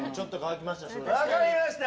分かりました。